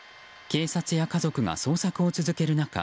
警察や家族が捜索を続ける中